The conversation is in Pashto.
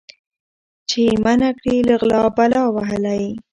چي یې منع کړي له غلا بلا وهلی